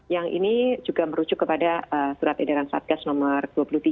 yang ini juga merujuk kepada surat edaran satgas nomor dua puluh tiga